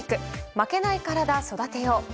「負けないカラダ、育てよう」。